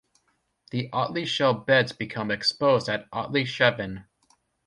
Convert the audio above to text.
The Otley Shell Beds become exposed at Otley Chevin.